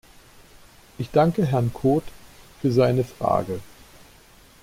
Ich danke Herrn Cot für seine Frage.